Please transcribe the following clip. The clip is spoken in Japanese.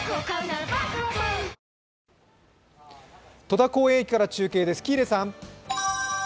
戸田公園駅から中継です。